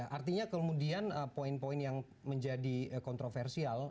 artinya kemudian poin poin yang menjadi kontroversial